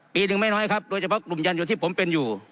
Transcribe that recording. หนึ่งไม่น้อยครับโดยเฉพาะกลุ่มยานยนต์ที่ผมเป็นอยู่